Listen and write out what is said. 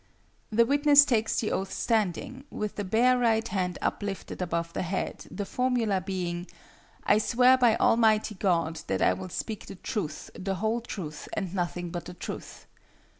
The witness takes the oath standing, with the bare right hand uplifted above the head, the formula being: 'I swear by Almighty God that I will speak the truth, the whole truth, and nothing but the truth.'